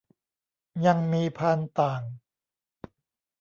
ยังมีพานต่าง